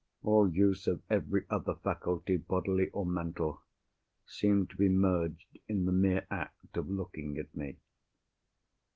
All use of every other faculty, bodily or mental, seemed to be merged in the mere act of looking at me.